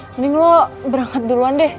mending lo berangkat duluan deh